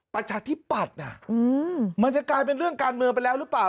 ประชาธิปัตย์มันจะกลายเป็นเรื่องการเมืองไปแล้วหรือเปล่า